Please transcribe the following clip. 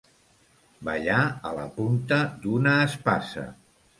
Ballar a la punta d'una espasa.